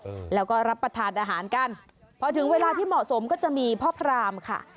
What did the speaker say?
อืมแล้วก็รับประทานอาหารกันพอถึงเวลาที่เหมาะสมก็จะมีพ่อพรามค่ะ